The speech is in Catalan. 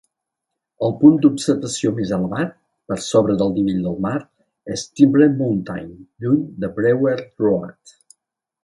El punt d'observació més elevat, per sobre del nivell del mar, és Trimble Mountain, lluny de Brewer Road.